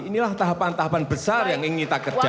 inilah tahapan tahapan besar yang ingin kita kerjakan